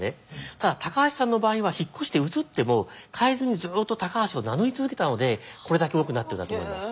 ただ高橋さんの場合は引っ越して移っても変えずにずっと高橋を名乗り続けたのでこれだけ多くなってるんだと思います。